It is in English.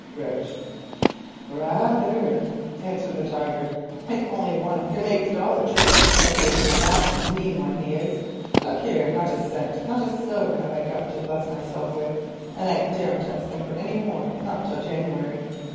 (rich) "Rather," answered the Tiger, "if only one can make the dollars run, but he's a nasty mean boy, he is. Look here, not a cent, not a stiver have I got to bless myself with, and I daren't ask him for any more not till January.